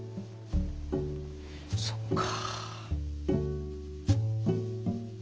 そっか。